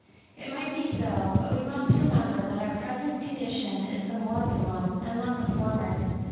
It might be so: but we must remember that our present condition is the morbid one, and not the former.